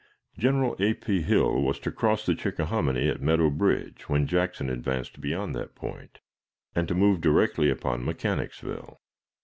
General A. P. Hill was to cross the Chickahominy at Meadow Bridge when Jackson advanced beyond that point, and to move directly upon Mechanicsville.